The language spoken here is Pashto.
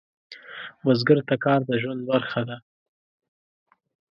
بزګر ته کار د ژوند برخه ده